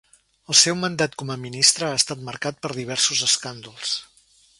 El seu mandat com a ministra ha estat marcat per diversos escàndols.